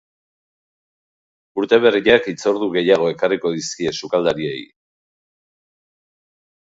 Urte berriak hitzordu gehiago ekarriko dizkie sukaldariei.